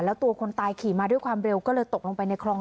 แล้วตัวคนตายขี่มาด้วยความเร็วก็เลยตกลงไปในคลอง